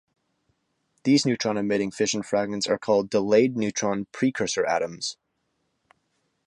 These neutron-emitting fission fragments are called "delayed neutron precursor atoms".